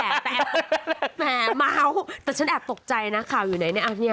แต่แอบแมวแต่ฉันแอบตกใจนะข่าวอยู่ไหนเนี่ยอ้าวเนี่ย